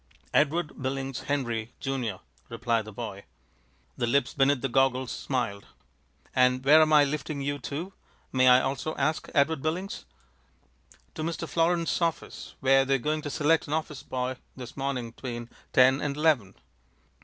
"Edward Billings Henry, Junior," replied the boy. The lips beneath the goggles smiled. "And where am I lifting you to, may I also ask, Edward Billings?" "To Mr. Florins's office, where they're going to select an office boy this morning 'tween ten and eleven."